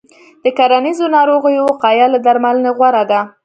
د کرنیزو ناروغیو وقایه له درملنې غوره ده.